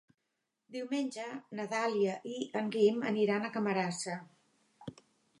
Diumenge na Dàlia i en Guim aniran a Camarasa.